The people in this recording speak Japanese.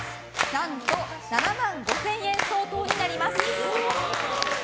何と７万５０００円相当になります。